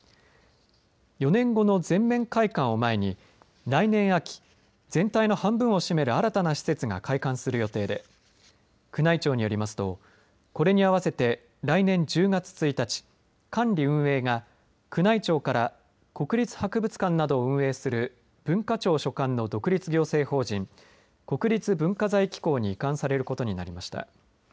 ４年後の全面開館を前に来年秋、全体の半分を占める新たな施設が開館する予定で宮内庁によりますとこれに合わせて、来年１０月１日管理、運営が宮内庁から国立博物館などを運営する文化庁所管の独立行政法人国立文化財機構に移管されることになりました。